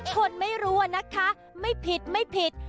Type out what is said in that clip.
คนไม่รู้อะนะคะไม่ผิดไม่ผิด